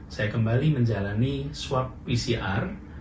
saya kembali menjalani swab pcr